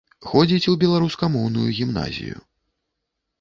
Ходзіць у беларускамоўную гімназію.